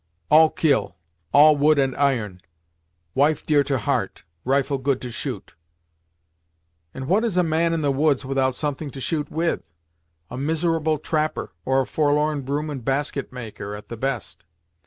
"All kill; all wood and iron. Wife dear to heart; rifle good to shoot." "And what is a man in the woods without something to shoot with? a miserable trapper, or a forlorn broom and basket maker, at the best.